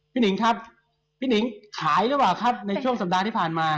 หนิงครับพี่หนิงขายหรือเปล่าครับในช่วงสัปดาห์ที่ผ่านมา